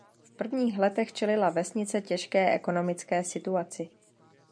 V prvních letech čelila vesnice těžké ekonomické situaci.